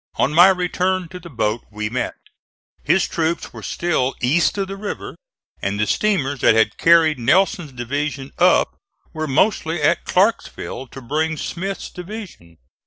On my return to the boat we met. His troops were still east of the river, and the steamers that had carried Nelson's division up were mostly at Clarksville to bring Smith's division.